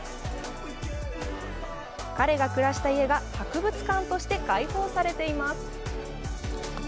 彼が暮らした家が博物館として開放されています。